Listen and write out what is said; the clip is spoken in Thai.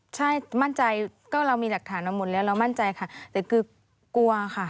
ใช่มั่นใจก็เรามีหลักฐานมาหมดแล้วเรามั่นใจค่ะแต่คือกลัวค่ะ